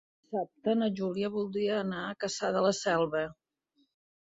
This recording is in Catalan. Dissabte na Júlia voldria anar a Cassà de la Selva.